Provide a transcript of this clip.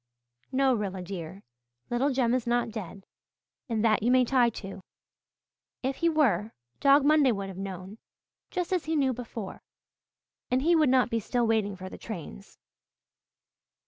No, Rilla dear, little Jem is not dead, and that you may tie to. If he were, Dog Monday would have known, just as he knew before, and he would not be still waiting for the trains."